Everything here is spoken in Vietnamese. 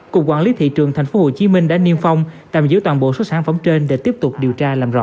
cục quản lý thị trường tp hcm đã niêm phong tạm giữ toàn bộ số sản phẩm trên để tiếp tục điều tra làm rõ